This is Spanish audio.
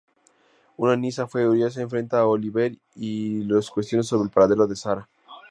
Una Nyssa furiosa enfrenta a Oliver y lo cuestiona sobre el paradero de Sara.